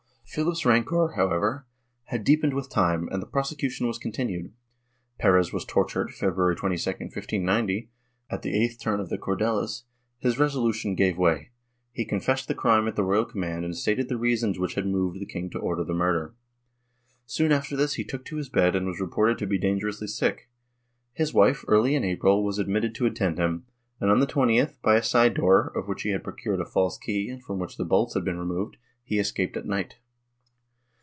Philip's rancor, how ever, had deepened with time, and the prosecution was continued. Perez was tortured, February 22, 1590, when, at the eighth turn of the cordeles, his resolution gave way ; he confessed the crime at the royal command and stated the reasons which had moved the king to order the murder. Soon after this he took to his bed and was reported to be dangerously sick; his wife, early in April, was admitted to attend him and, on the 20th, by a side door, of which he had procured a false key and from which the bolts had been removed, he escaped at night.